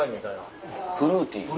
フルーティー。